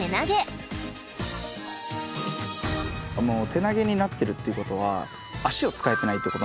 手投げになってるっていうことは足を使えてないってことなんですね。